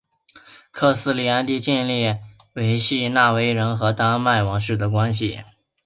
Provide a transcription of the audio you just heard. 克里斯蒂安尽力维系挪威人和丹麦王室的关系。